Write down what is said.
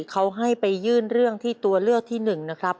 เขาให้ไปยื่นเรื่องที่ตัวเลือกที่๑นะครับ